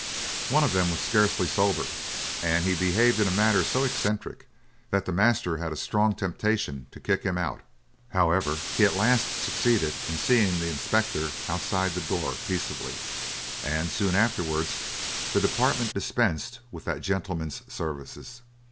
One of them was scarcely sober, and he behaved in a manner so eccentric that the master had a strong temptation to kick him out. However, he at last succeeded in seeing the inspector outside the door peaceably, and soon afterwards the department dispensed with that gentleman's services.